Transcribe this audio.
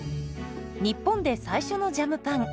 日本で最初のジャムパン。